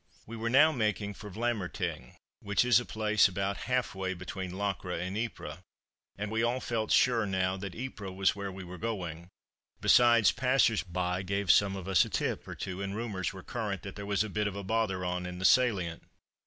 We were now making for Vlamertinghe, which is a place about half way between Locre and Ypres, and we all felt sure enough now that Ypres was where we were going; besides, passers by gave some of us a tip or two, and rumours were current that there was a bit of a bother on in the salient.